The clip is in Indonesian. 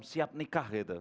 siap nikah gitu